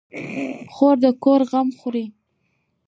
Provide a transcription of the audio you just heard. خور د کور غم خوري.